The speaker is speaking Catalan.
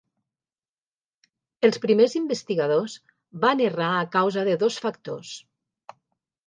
Els primers investigadors van errar a causa de dos factors.